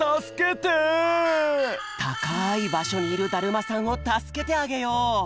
たかいばしょにいるだるまさんをたすけてあげよう。